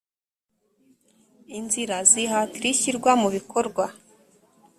inzira zihatira ishyirwa mu bikorwa